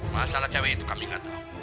masalah cewek itu kami gak tau